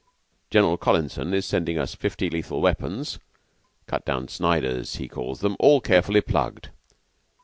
General Collinson is sending us fifty lethal weapons cut down Sniders, he calls them all carefully plugged."